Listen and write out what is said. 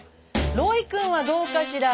ロイ君はどうかしら？